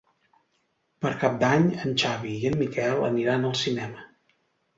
Per Cap d'Any en Xavi i en Miquel aniran al cinema.